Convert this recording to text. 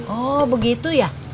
oh begitu ya